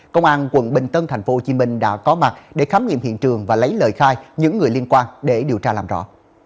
công an quận bình tân tp hcm đã có mặt để khám nghiệm hiện trường và lấy lời khai những người liên quan để điều tra làm rõ